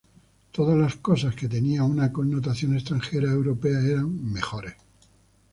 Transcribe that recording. Todas las cosas que tenían una connotación extranjera, europea, eran mejores".